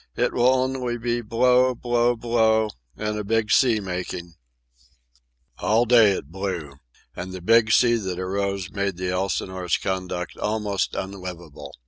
It will only be blow, blow, blow, and a big sea making." All day it blew. And the big sea that arose made the Elsinore's conduct almost unlivable.